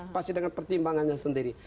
pasti dengan pertimbangannya sendiri